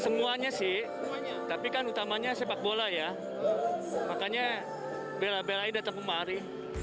semuanya sih tapi kan utamanya sepak bola ya makanya bela belain datang kemari